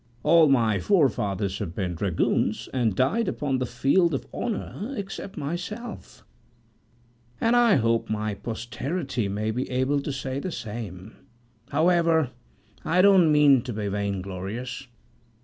All my forefathers have been dragoons and died upon the field of honor except myself, and I hope my posterity may be able to say the same; however, I don't mean to be vainglorious.